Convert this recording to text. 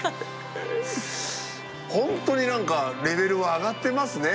ホントに何かレベルは上がってますね。